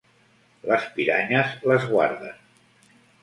Les piranyes l'esguarden.